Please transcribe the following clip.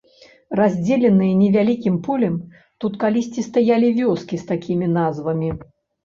Раздзеленыя невялікім полем, тут калісьці стаялі вёскі з такімі назвамі.